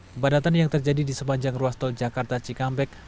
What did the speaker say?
kepadatan yang terjadi di sepanjang ruas tol jakarta cikampek